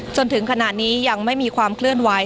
จนถึงขณะนี้ยังไม่มีความเคลื่อนไหว